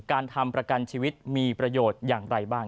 การทำประกันชีวิตมีประโยชน์อย่างไรบ้าง